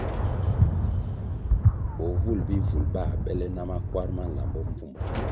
Bovul bihvul bā bèlè na makwar ma nlambo mbvumbo.